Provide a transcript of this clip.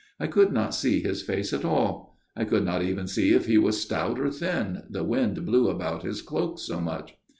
I could not see his face at all. I could not even see if he was stout or thin, the wind blew about his cloak so much.